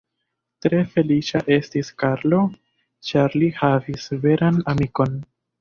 Tre feliĉa estis Karlo, ĉar li havis veran amikon.